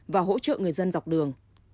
và hỗ trợ người dân dọc đường